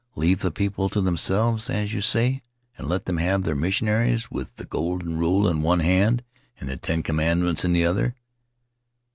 Leave the people to themselves, as you say, and let them have their missionaries, with the Golden Rule in one hand and the Ten Commandments in the other.